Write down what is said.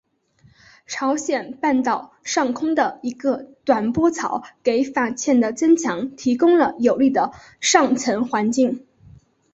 朝鲜半岛上空的一个短波槽给法茜的增强提供了有利的上层环境。